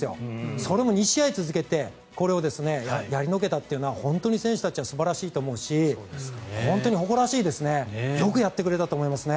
それも２試合続けてこれをやりのけたっていうのは本当に選手たちは素晴らしいと思うし本当に誇らしいですねよくやってくれたと思いますね。